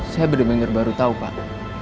saya benar benar baru tahu pak